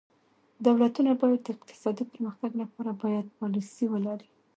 دولتونه باید د اقتصادي پرمختګ لپاره پایداره پالیسي ولري.